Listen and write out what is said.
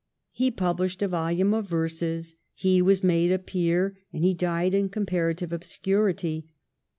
He pub lished a volume of verses. He was made a peer, and he died in comparative obscurity.